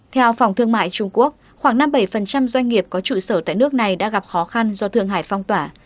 theo phòng thương mại trung quốc khoảng năm mươi bảy doanh nghiệp có trụ sở tại nước này đã gặp khó khăn do thương hải phong tỏa